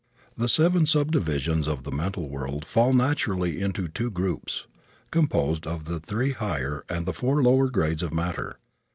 The seven subdivisions of the mental world fall naturally into two groups, composed of the three higher and the four lower grades of matter.